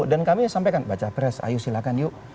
dan kami sampaikan baca press ayo silahkan yuk